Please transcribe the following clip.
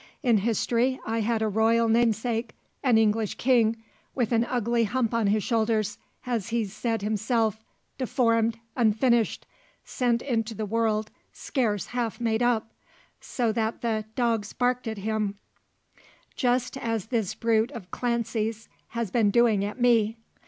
In history I had a royal namesake an English king, with an ugly hump on his shoulders as he's said himself, `deformed, unfinished, sent into the world scarce half made up,' so that the `dogs barked at him,' just as this brute of Clancy's has been doing at me.